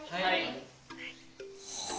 はい。